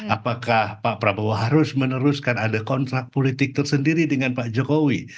apakah pak prabowo harus meneruskan ada kontrak politik tersendiri dengan pak jokowi